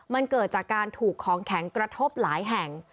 มันเกิดจากการถูกของแข็งกระทบหลายแห่ง